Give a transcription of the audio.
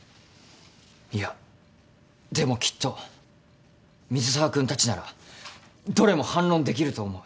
いやでもきっと水沢君たちならどれも反論できると思う。